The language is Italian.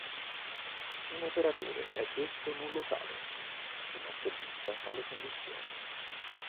Un operatore è detto "non locale" se non soddisfa tale condizione.